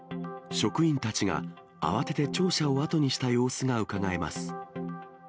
職員たちが慌てて庁舎を後にした様子がうかがえます。